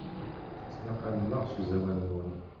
Tettnaqamem-aɣ s uẓawan-nwen.